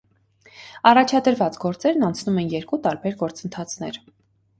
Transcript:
Առաջադրված գործերն անցնում են երկու տարբեր գործընթացներ։